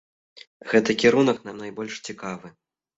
Гэты кірунак нам найбольш цікавы.